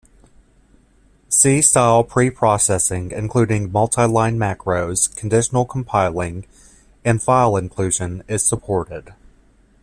C style preprocessing, including multiline macros, conditional compiling and file inclusion, is supported.